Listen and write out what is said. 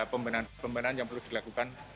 pembenahan pembenahan yang perlu dilakukan